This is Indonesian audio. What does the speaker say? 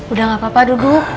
udah gak apa apa duduk